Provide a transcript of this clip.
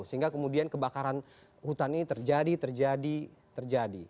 sehingga kemudian kebakaran hutan ini terjadi terjadi terjadi